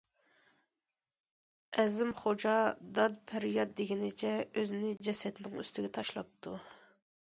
ئەزىم خوجا داد- پەرياد دېگىنىچە ئۆزىنى جەسەتنىڭ ئۈستىگە تاشلاپتۇ.